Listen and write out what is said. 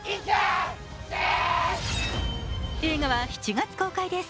映画は７月公開です。